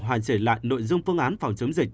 hoàn chỉnh lại nội dung phương án phòng chống dịch